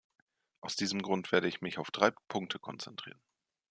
Aus diesem Grund werde ich mich auf drei Punkte konzentrieren.